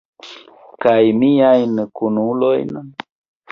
Kaj miajn kunulojn?